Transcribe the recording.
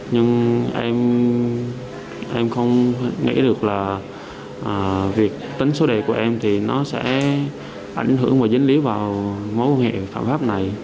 nhưng em không nghĩ được là việc tấn số đề của em thì nó sẽ ảnh hưởng và dân lý vào mối quan hệ phạm pháp này